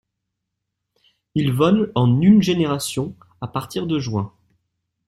Il vole en une génération à partir de juin.